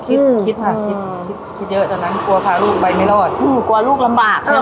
คิดคิดค่ะคิดคิดคิดเยอะตอนนั้นกลัวพาลูกไปไม่รอดอืมกลัวลูกลำบากใช่ไหม